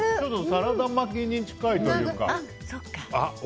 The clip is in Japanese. サラダ巻きに近いというか。